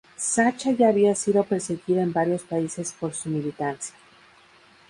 Sacha ya había sido perseguida en varios países por su militancia.